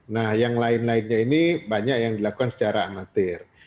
nah yang lain lainnya ini banyak yang dilakukan secara amatir